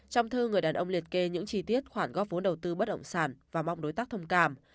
trong thư người đàn ông liệt kê những chi tiết khoản góp vốn đầu tư bất động sản và mong đối tác thông cảm